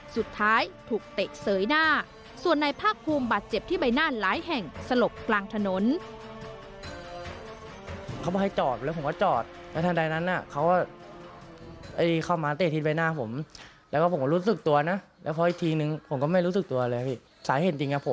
สุดท้ายถูกเตะเสยหน้าส่วนนายภาคภูมิบาดเจ็บที่ใบหน้าหลายแห่งสลบกลางถนน